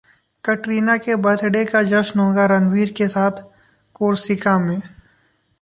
कटरीना के birthday का जश्न होगा रणवीर के साथ कोर्सिका में!